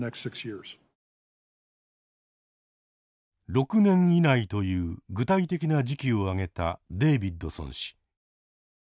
６年以内という具体的な時期をあげたデービッドソン氏。